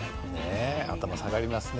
頭が下がりますね。